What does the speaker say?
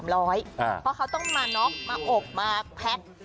เพราะเขาต้องมาน็อกมาอบมาแพ็ค